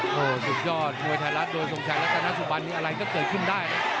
โอ้โหสุดยอดมวยไทยรัฐโดยทรงชัยรัตนสุบันนี่อะไรก็เกิดขึ้นได้นะ